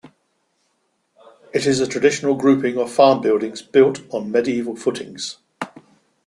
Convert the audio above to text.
It is a traditional grouping of farm buildings built on medieval footings.